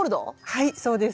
はいそうです。